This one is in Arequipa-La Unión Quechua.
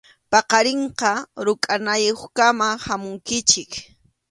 Paqarinqa rukʼanayuqkama hamunkichik.